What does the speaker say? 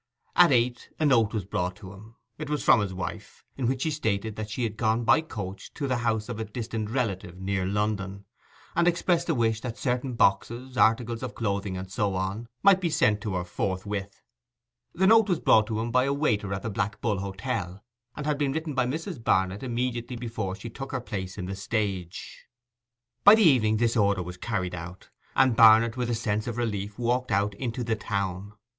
At eight a note was brought him; it was from his wife, in which she stated that she had gone by the coach to the house of a distant relative near London, and expressed a wish that certain boxes, articles of clothing, and so on, might be sent to her forthwith. The note was brought to him by a waiter at the Black Bull Hotel, and had been written by Mrs. Barnet immediately before she took her place in the stage. By the evening this order was carried out, and Barnet, with a sense of relief, walked out into the town.